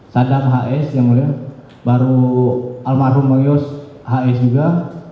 sadam hs baru almarhum bang yos hs juga